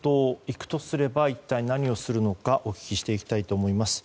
行くとすれば一体何をするのかをお聞きしていきたいと思います。